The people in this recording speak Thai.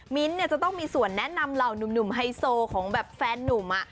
จะต้องมีส่วนแนะนำเหล่าหนุ่มไฮโซของแบบแฟนนุ่ม